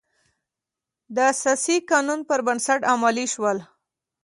د اساسي قانون پر بنسټ عملي شول.